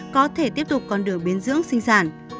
có thể tiếp tục còn đỡ biến dưỡng sinh sản